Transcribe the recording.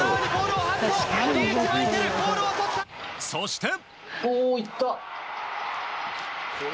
そして。